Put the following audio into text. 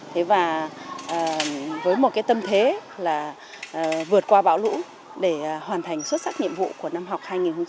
thế và với một cái tâm thế là vượt qua bão lũ để hoàn thành xuất sắc nhiệm vụ của năm học hai nghìn một mươi tám hai nghìn một mươi chín